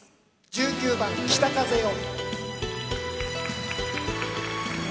１９番「北風よ」。